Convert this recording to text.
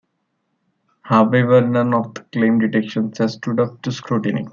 However none of the claimed detections has stood up to scrutiny.